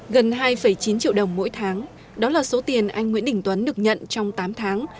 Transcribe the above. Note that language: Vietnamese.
gần hai chín triệu đồng mỗi tháng đó là số tiền anh nguyễn đình tuấn được nhận trong tám tháng